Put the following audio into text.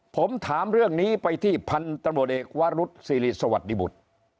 ผมถามเรื่องนี้ไปที่พันธุ์ตำรวจเอกวารุธสิริสวัสดิบุตร